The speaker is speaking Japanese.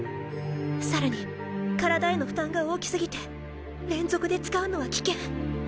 さらに体への負担が大き過ぎて連続で使うのは危険